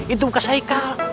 itu bukan saikal